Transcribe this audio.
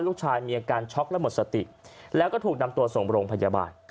ลูกชายมีอาการช็อกและหมดสติแล้วก็ถูกนำตัวส่งโรงพยาบาล